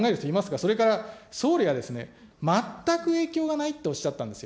それから総理がですね、全く影響がないとおっしゃったんですよ。